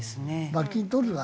罰金取るが。